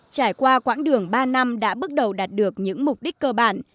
trải qua quãng đường ba năm đã bước đầu đạt được những mục đích cơ bản